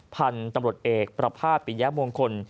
พันตำรวจเอกประภาพปิญญาโมงคล